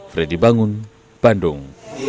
fredy bangun bandung